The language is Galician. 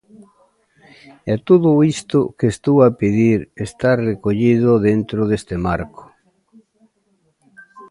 E todo isto que estou a pedir, está recollido dentro deste marco.